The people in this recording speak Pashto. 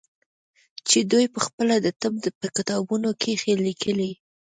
چې دوى پخپله د طب په کتابونو کښې ليکلي.